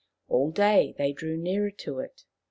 All day they drew nearer to it.